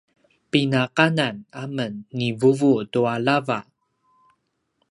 pinakanan amen ni vuvu tua lava